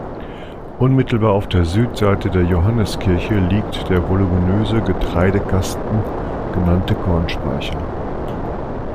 Unmittelbar auf der Südseite der Johanneskirche liegt der voluminöse, "Getreidekasten" genannte Kornspeicher.